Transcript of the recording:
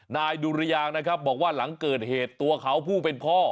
นายดุริยางนะครับบอกว่าหลังเกิดเหตุตัวเขาผู้เป็นพ่อ